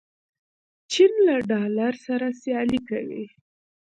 چین له ډالر سره سیالي کوي.